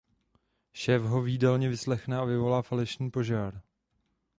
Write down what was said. Šéf ho v jídelně vyslechne a vyvolá falešný požár.